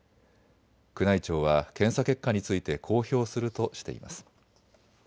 宮内庁は検査結果について公表するとしています。